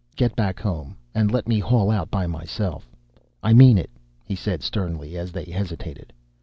Get back home, and let me haul out by myself. I mean it," he said sternly, as they hesitated.